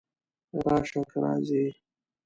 راشه! که راځې!